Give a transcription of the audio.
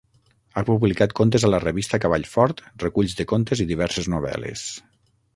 Ha publicat contes a la revista Cavall Fort, reculls de contes i diverses novel·les.